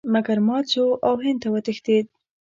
مګر مات شو او هند ته وتښتېد.